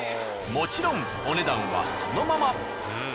もちろんお値段はそのまま。